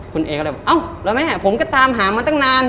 คุณเอก็เลยบอกเอ้าแล้วแม่ผมก็ตามหามาตั้งนาน